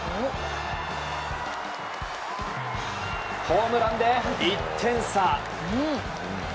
ホームランで１点差。